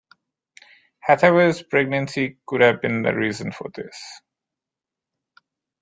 Hathaway's pregnancy could have been the reason for this.